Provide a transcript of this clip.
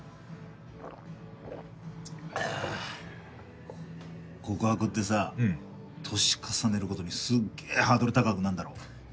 あ告白ってさ年重ねるごとにすっげえハードル高くなんだろ。